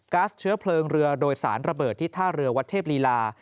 ๊สเชื้อเพลิงเรือโดยสารระเบิดที่ท่าเรือวัดเทพลีลา